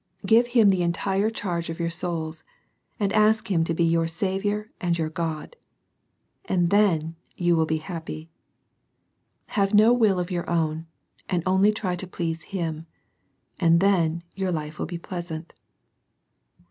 Give Him the entire charge of your souls, and ask Him to be your Saviour and your Gk)d; and then you will be happy. Have no will of your own, and only try to please Him ; and then your life will be pleasant.